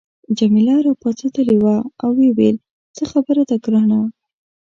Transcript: جميله راپاڅیدلې وه او ویې ویل څه خبره ده ګرانه.